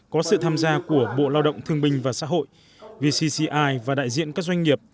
có sự tham gia của bộ lao động thương binh và xã hội vcci và đại diện các doanh nghiệp